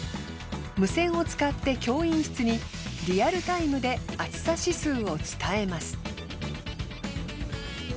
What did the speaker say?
無線を使って教員室にリアルタイムで暑さ指数を伝えます。